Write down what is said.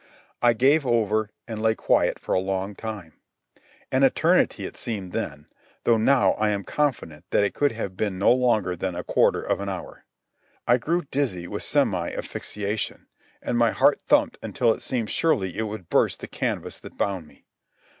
I gave over and lay quiet for a long time—an eternity it seemed then, though now I am confident that it could have been no longer than a quarter of an hour. I grew dizzy with semi asphyxiation, and my heart thumped until it seemed surely it would burst the canvas that bound me.